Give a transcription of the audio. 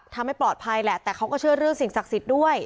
ทำให้ปลอดภัยแหละแต่เขาก็เชื่อเรื่องสิ่งศักดิ์สิทธิ์ด้วย